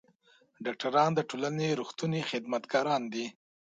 ډاکټران د ټولنې رښتوني خدمتګاران دي.